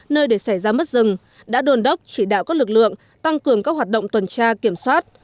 nơi để xảy ra mất rừng đã đồn đốc chỉ đạo các lực lượng tăng cường các hoạt động tuần tra kiểm soát